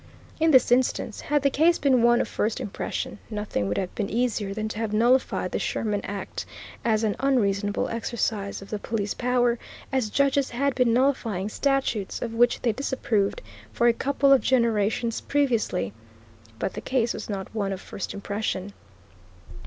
In this instance, had the case been one of first impression, nothing would have been easier than to have nullified the Sherman Act as an unreasonable exercise of the Police Power, as judges had been nullifying statutes of which they disapproved for a couple of generations previously; but the case was not one of first impression.